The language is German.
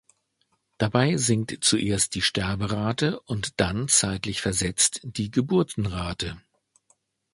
Dabei sinkt zuerst die Sterberate und dann zeitlich versetzt die Geburtenrate.